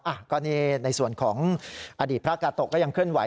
อ่ะก็นี่ในส่วนของอดีตพระกาโตะก็ยังเคลื่อนไห